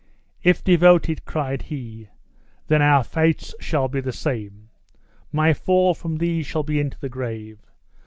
"If devoted," cried he, "then our fates shall be the same. My fall from thee shall be into my grave.